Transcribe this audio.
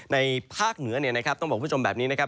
ในภาคเหนือต้องบอกผู้ชมแบบนี้นะครับ